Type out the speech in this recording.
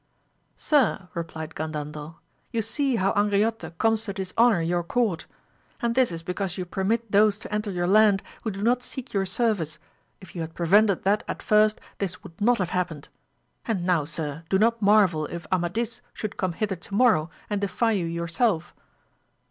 Sir, replied Gandandel, you see how Angriote comes to dishonour your court ! and this is because you permit those to enter your land who do not seek your service, if you had prevented that at first this would not have hap pened ; and now sir, do not marvel if Amadis should come hither to morrow and defy you yourself!